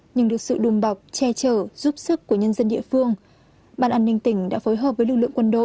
nhưng được sự đùm bọc che chở giúp sức của nhân dân địa phương ban an ninh tỉnh đã phối hợp với lực lượng quân đội